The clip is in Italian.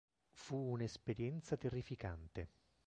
Fu un'esperienza terrificante.